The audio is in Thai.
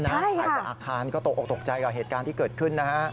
ใครแต่อาคารก็ตกตกใจกับเหตุการณ์ที่เกิดขึ้นนะฮะ